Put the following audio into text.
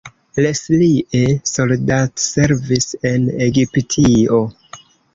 Leslie soldatservis en Egiptio.